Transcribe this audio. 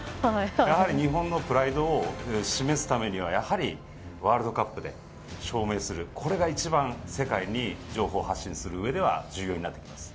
やはり日本のプライドを示すためにはワールドカップで証明するこれが一番世界に情報を発信するうえでは重要になってきます。